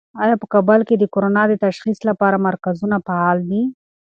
آیا په کابل کې د کرونا د تشخیص لپاره مرکزونه فعال دي؟